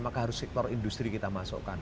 maka harus sektor industri kita masukkan